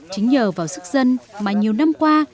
chính nhờ vào sức dân mà nhiều năm qua